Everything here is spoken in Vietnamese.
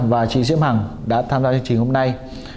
và chị diễm hằng đã tham gia chương trình hôm nay